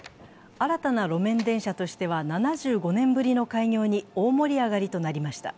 新たな路面電車としては７５年ぶりの開業に大盛り上がりとなりました。